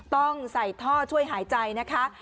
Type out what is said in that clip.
ต้องใส่ท่อช่วยหายใจนะคะ